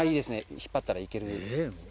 引っ張ったら行ける。